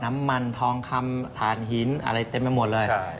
น้ำมันทองคำฐานหินอะไรเต็มไปหมดเลย